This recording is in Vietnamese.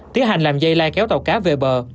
tiến hành làm dây lai kéo tàu cá về bờ